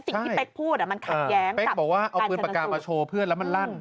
เป๊กพูดอ่ะมันขัดแย้งเป๊กบอกว่าเอาปืนปากกามาโชว์เพื่อนแล้วมันลั่น